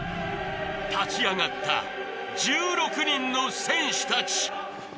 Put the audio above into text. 立ち上がった１６人の戦士たち！